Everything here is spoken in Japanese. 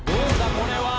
これは。